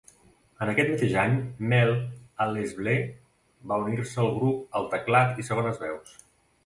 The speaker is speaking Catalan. En aquest mateix any, Mel Allezbleu va unir-se al grup al teclat i segones veus.